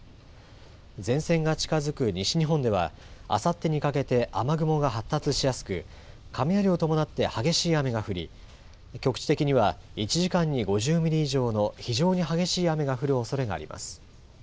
前線が近づく西日本では、あさってにかけて雨雲が発達しやすく、雷を伴って激しい雨が降り、局地的には１時間に５０ミリ以上の非常に激しい雨が降るおそれがあります。